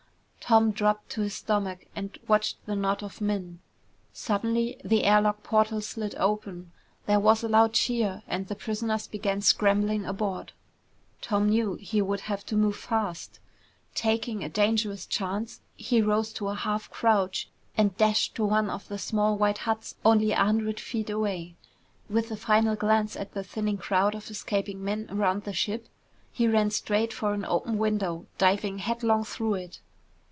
Tom dropped to his stomach and watched the knot of men. Suddenly the air lock portal slid open. There was a loud cheer and the prisoners began scrambling aboard. Tom knew he would have to move fast. Taking a dangerous chance, he rose to a half crouch and dashed to one of the small white huts only a hundred feet away. With a final glance at the thinning crowd of escaping men around the ship, he ran straight for an open window, diving headlong through it.